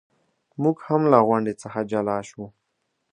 موږ هم له غونډې څخه جلا شو.